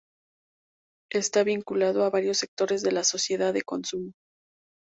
Está vinculado a varios sectores de la sociedad de consumo.